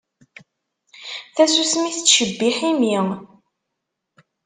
Tasusmi tettcebbiḥ imi.